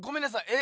え？